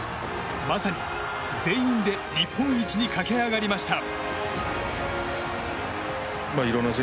まさに全員で日本一に駆け上がりました。